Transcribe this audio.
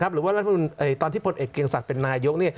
หรือว่ารัฐมนุนตอนที่พลเอกเกียงศักดิ์เป็นนายก